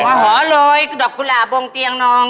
ส่งเข้าหอเลยดอกกุหลาบงเตียงนอง